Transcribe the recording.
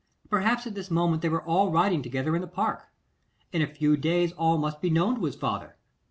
Perhaps at this moment they were all riding together in the Park. In a few days all must be known to his father.